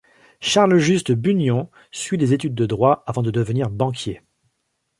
Charles-Juste Bugnion, suit des études de droit avant de devenir banquier.